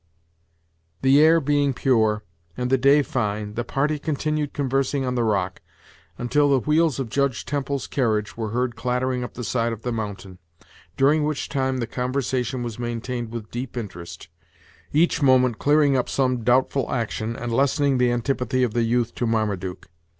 The air being pure, and the day fine, the party continued conversing on the rock, until the wheels of Judge Temple's carriage were heard clattering up the side of the mountain, during which time the conversation was maintained with deep interest, each moment clearing up some doubtful action, and lessening the antipathy of the youth to Marmaduke.